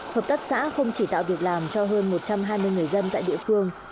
hợp tác xã không chỉ tạo việc làm cho hơn một trăm hai mươi người dân tại địa phương